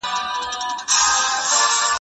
ايا په بديو کي د نجلۍ ورکول روا دي؟